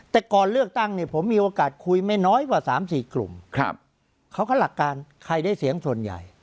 แต่ก่อนเลือกตั้งเนี่ยผมมีโอกาสคุยไม่น้อยกว่า๓๔กลุ่มเขาก็หลักการใครได้เสียงส่วนใหญ่